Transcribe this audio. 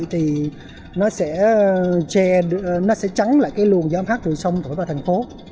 thì nó sẽ trắng lại cái luồng gió hát rừng sông tổi vào thành phố